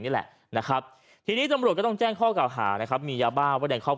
ยาเคอีกซักประมาณ๑๔กรัม